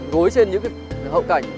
gối trên những cái hậu cảnh